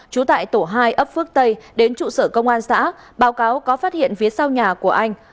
trú tại tổ hai ấp phước tây đến trụ sở công an xã báo cáo có phát hiện phía sau nhà của anh